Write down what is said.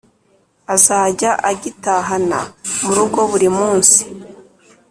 azajya agitahana mu rugo buri munsi.